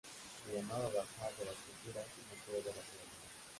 Se llamaba Bazar de las Culturas y Museo de las Migraciones.